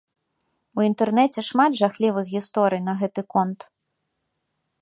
У інтэрнэце шмат жахлівых гісторый на гэты конт.